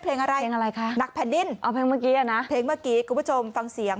เพลงอะไรนักแผ่นดิ้นเพลงเมื่อกี้นะเพลงเมื่อกี้คุณผู้ชมฟังเสียง